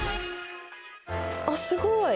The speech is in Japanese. あっすごい！